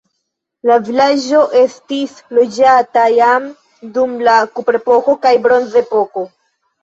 La vilaĝo estis loĝata jam dum la kuprepoko kaj bronzepoko.